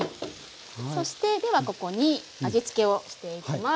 そしてではここに味付けをしていきます。